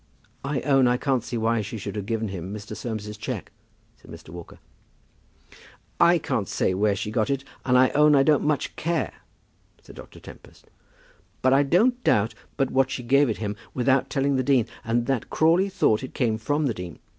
"I own I can't see why she should have given him Mr. Soames's cheque," said Mr. Walker. "I can't say where she got it, and I own I don't much care," said Dr. Tempest. "But I don't doubt but what she gave it him without telling the dean, and that Crawley thought it came from the dean.